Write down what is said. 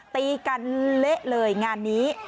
ตีกันเละเลยงานนี้